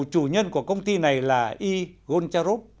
nhưng chủ nhân của công ty này là y goncharov